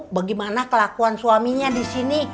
bagaimana kelakuan suaminya disini